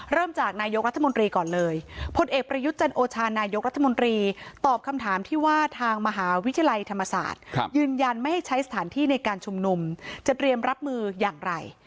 จากนายกรัฐมนตรีก่อนเลยพลเอกประยุทธ์จันโอชานายกรัฐมนตรีตอบคำถามที่ว่าทางมหาวิทยาลัยธรรมศาสตร์ยืนยันไม่ให้ใช้สถานที่ในการชุมนุมจะเตรียมรับมืออย่างไร